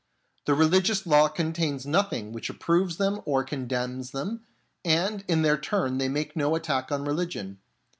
The religious law contains nothing which approves them or ■ condemns them, and in their turn they make no attack on religion.